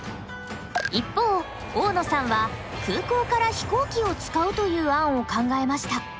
一方大野さんは空港から飛行機を使うという案を考えました。